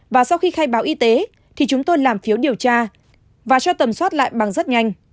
và sau khi khai báo y tế thì chúng tôi làm phiếu điều tra và cho tầm soát lại bằng rất nhanh